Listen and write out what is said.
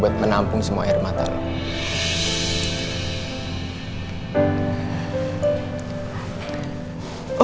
buat menampung semua air mata lo